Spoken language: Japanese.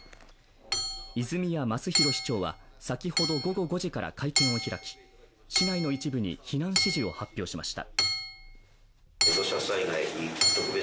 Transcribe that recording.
泉谷満寿裕市長は先ほど午後５時から会見を開き、市内の一部に避難指示を発表しました。